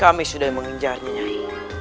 kami sudah menginjarnya nyai